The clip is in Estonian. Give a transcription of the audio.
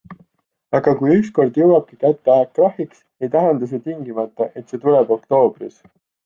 Aga kui ükskord jõuabki kätte aeg krahhiks, ei tähenda see tingimata, et see tuleb oktoobris.